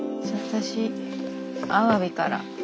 私アワビから。